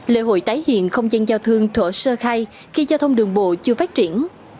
lễ hội tái hiện không gian giao thương thổ sơ khai khi giao thông đường bộ chưa phát triển